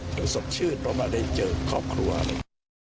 สดชื่นเพราะมาได้เจอครอบครัวเลย